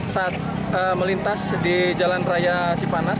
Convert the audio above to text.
saat melintas di jalan raya cipanas